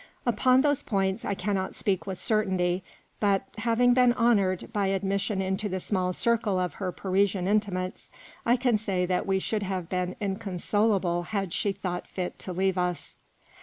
Upon those points I cannot speak with certainty ; but, having been honoured by ad mission into the small circle of her Parisian intimates, I can say that we should have been inconsolable had she thought fit to leave us.